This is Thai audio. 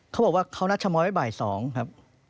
เขาบอกว่าเขานัดชะม้อยไว้บ่าย๒ครับ